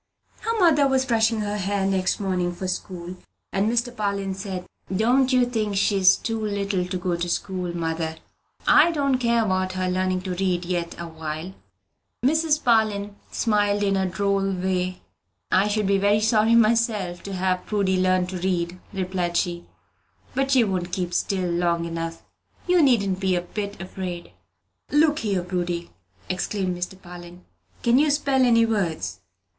Her mother was brushing her hair next morning for school, and Mr. Parlin said, "Don't you think she's too little to go to school, mother? I don't care about her learning to read yet awhile." Mrs. Parlin smiled in a droll way. "I should be very sorry myself to have Prudy learn to read," replied she; "but she won't keep still long enough: you needn't be a bit afraid." "Look here, Prudy," exclaimed Mr. Parlin, "can you spell any words?"